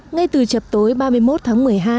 ngay từ chập tối ba mươi một tháng một mươi hai